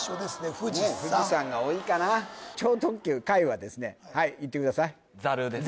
富士山富士山が多いかな超特急カイはですねはい言ってくださいざるです